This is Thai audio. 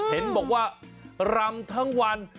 เห็นบอกว่ารำทั้งวัน